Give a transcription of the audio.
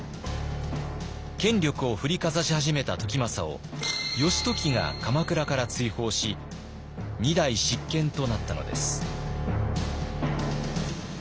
権力を振りかざし始めた時政を義時が鎌倉から追放し２代執権となったのです。